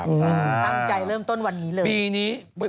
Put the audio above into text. ตั้งใจเริ่มต้นวันนี้เลย